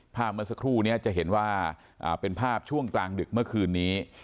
เมื่อสักครู่นี้จะเห็นว่าเป็นภาพช่วงกลางดึกเมื่อคืนนี้